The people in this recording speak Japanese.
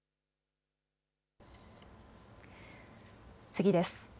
次です。